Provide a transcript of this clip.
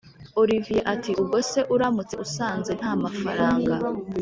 olivier ati”ubwo se uramutse usanze ntamafaranga